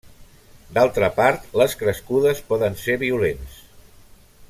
D'altra part les crescudes poden ser violents.